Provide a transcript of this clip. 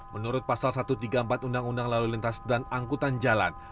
menurut pasal satu ratus tiga puluh empat undang undang lalu lintas dan angkutan jalan